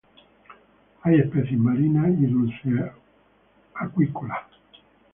Hay especies marinas y dulceacuícolas.